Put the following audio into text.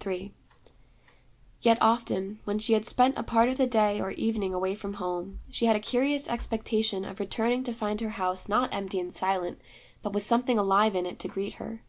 III Yet often, when she had spent a part of the day or evening away from home, she had a curious expectation of returning to find her house not empty and silent, but with something alive in it to greet her.